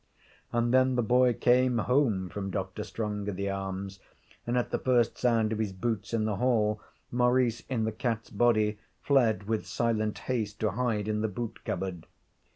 And then the boy came home from Dr. Strongitharm's, and at the first sound of his boots in the hall Maurice in the cat's body fled with silent haste to hide in the boot cupboard.